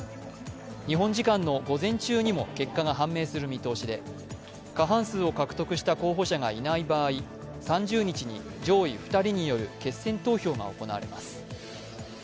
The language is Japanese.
日本時間の午前中にも結果が判明する見通しで過半数を獲得した候補者がいない場合、３０日に上位２人による決選投票が行われます。